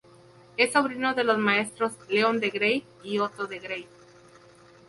Es sobrino de los maestros León de Greiff y Otto de Greiff.